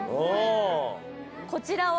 こちらは。